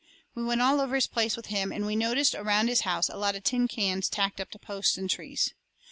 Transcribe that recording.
We went all over his place with him, and we noticed around his house a lot of tin cans tacked up to posts and trees.